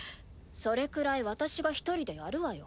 それくらい私が一人でやるわよ。